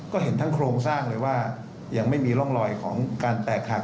ก็เห็นทั้งโครงสร้างเลยว่ายังไม่มีร่องรอยของการแตกหัก